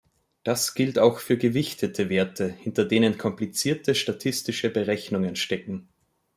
Das gilt auch für gewichtete Werte, hinter denen komplizierte statistische Berechnungen stecken.